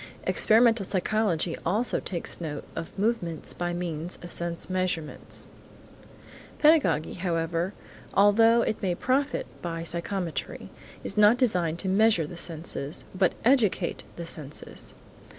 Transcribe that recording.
Experimental psychology also takes note of movements by means of sense measurements. Pedagogy, however, although it may profit by psychometry is not designed to measure the sensations, but educate the senses.